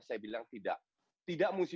saya bilang tidak tidak musim ini